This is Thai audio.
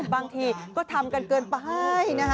บางทีก็ทำกันเกินไป